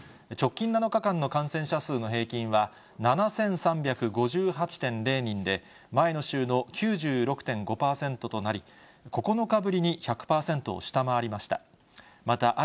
直近７日間の感染者数の平均は、７３５８．０人で、前の週の９６．５％となり、９日ぶりに１００％を下回りました。